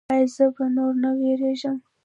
ایا زه به نور نه ویریږم؟